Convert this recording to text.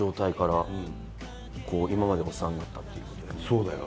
そうだよ。